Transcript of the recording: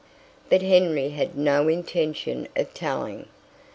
But Henry had no intention of telling.